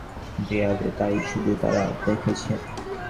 তাদের যে-ছায়া পড়ছে গুহার দেয়ালে, তা-ই শুধু তারা দেখছে।